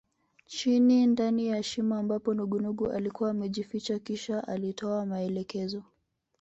Chini ndani ya shimo ambapo nungunungu alikuwa amejificha kisha alitoa maelekezo